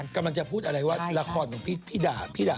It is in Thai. กำลังจะพูดอะไรว่าราคอนของพี่พี่ด่าด่ะ